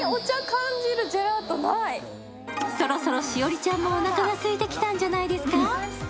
そろそろ栞里ちゃんもおなかがすいてきたんじゃないですか。